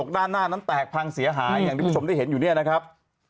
ด้านหน้านั้นแตกพังเสียหายอย่างที่ผู้ชมได้เห็นอยู่เนี่ยนะครับ